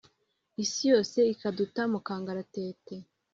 Isi yose ikaduta mu kangaratete